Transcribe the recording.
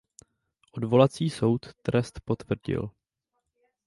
Odvolací soud trest potvrdil.